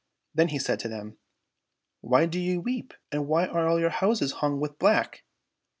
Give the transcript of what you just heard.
And he said to them, " Why do ye weep, and why are all your houses hung with black